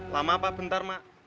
lama apa bentar mak